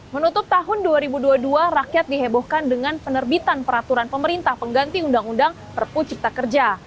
menutup tahun dua ribu dua puluh dua rakyat dihebohkan dengan penerbitan peraturan pemerintah pengganti undang undang perpu cipta kerja